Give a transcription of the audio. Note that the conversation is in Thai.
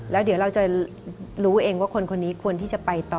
แล้วเดี๋ยวเราจะรู้เองว่าคนคนนี้ควรที่จะไปต่อ